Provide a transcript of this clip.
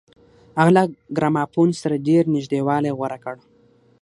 هغه له ګرامافون سره ډېر نږدېوالی غوره کړ.